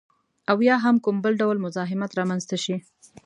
او یا هم کوم بل ډول مزاحمت رامنځته شي